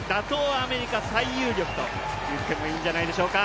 アメリカ最有力といってもいいんじゃないでしょうか。